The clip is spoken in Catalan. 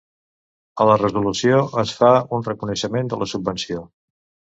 A la resolució es fa un reconeixement de la subvenció.